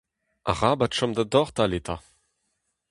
Arabat chom da dortal eta.